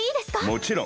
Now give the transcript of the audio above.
もちろん。